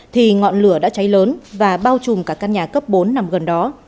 thì ngọn lửa đã cháy lớn và bao trùm cả căn nhà cấp bốn nằm gần đó